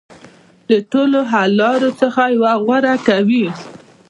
د ټولو حل لارو څخه یوه غوره کوي.